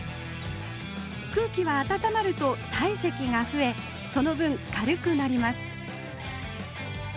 空気は温まると体積が増えその分軽くなります